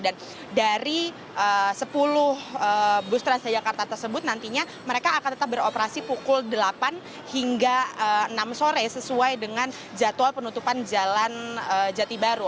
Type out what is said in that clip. dan dari sepuluh bus transjakarta tersebut nantinya mereka akan tetap beroperasi pukul delapan hingga enam sore sesuai dengan jadwal penutupan jalan jati baru